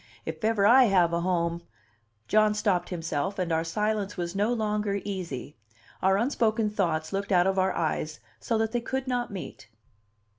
If ever I have a home " John stopped himself, and our silence was no longer easy; our unspoken thoughts looked out of our eyes so that they could not meet.